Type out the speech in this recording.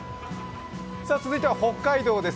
続いては北海道です。